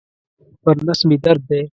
پر نس مي درد دی.